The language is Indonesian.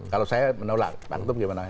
kalau saya menolak pak ketum gimana